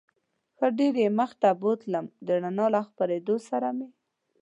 ښه ډېر یې مخ ته بوتلم، د رڼا له خپرېدو سره مې.